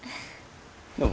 どうも。